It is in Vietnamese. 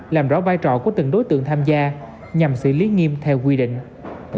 làm rõ vai trò của từng đối tượng tham gia nhằm xử lý nghiêm theo quy định